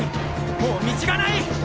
もう道がない！